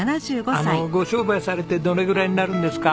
あのご商売されてどれぐらいになるんですか？